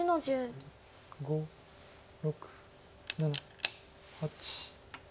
５６７８。